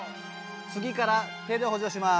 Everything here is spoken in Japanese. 次から手で補助します。